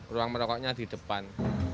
ruang merokoknya di depan